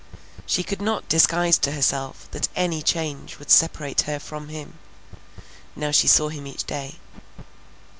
She could not disguise to herself that any change would separate her from him; now she saw him each day.